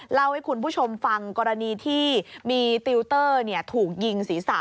เล่าให้คุณผู้ชมฟังกรณีที่มีติวเตอร์ถูกยิงศีรษะ